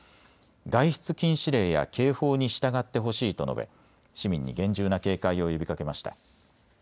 外出禁止令や警報に従ってほしいと述べ市民に厳重な警戒を呼びかけました。